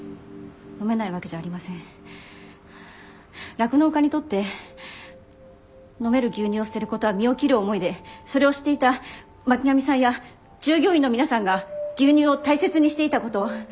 酪農家にとって飲める牛乳を捨てることは身を切る思いでそれを知っていた巻上さんや従業員の皆さんが牛乳を大切にしていたこと。